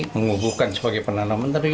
mengubuhkan sebagai perdana menteri